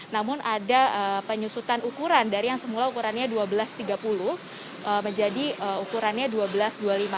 namun ada penyusutan ukuran dari yang semula ukurannya rp dua belas tiga ratus menjadi rp dua belas dua ratus lima puluh